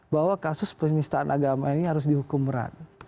bahwa kasus penistaan agama ini harus dihukum berat